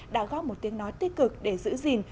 đã góp một tiếng nói tích cực để giữ gìn